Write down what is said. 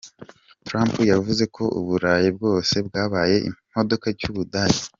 Trump yavuze ko u Burayi bwose bwabaye ikimodoka cy’u Budage’.